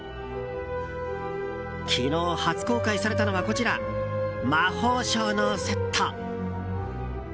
昨日、初公開されたのはこちら、魔法省のセット。